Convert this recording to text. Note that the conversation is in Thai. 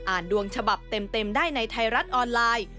ดวงฉบับเต็มได้ในไทยรัฐออนไลน์